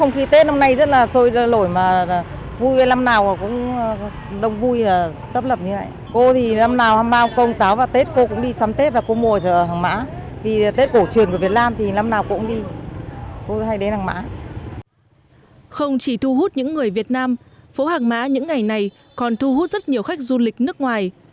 không chỉ thu hút những người việt nam phố hàng mã những ngày này còn thu hút rất nhiều khách du lịch nước ngoài